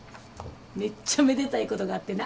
めっちゃめでたいことがあってな。